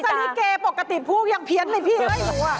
พึ่งมาสริเกจปกติพวกยังเพี้ยนเหมือนพี่เอ๊ยหนู